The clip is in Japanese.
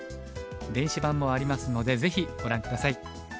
電子版もありますのでぜひご覧下さい。